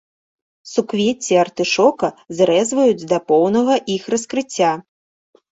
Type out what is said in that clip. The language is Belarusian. Суквецці артышока зрэзваюць да поўнага іх раскрыцця.